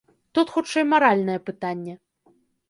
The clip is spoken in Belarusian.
Тут хутчэй маральнае пытанне.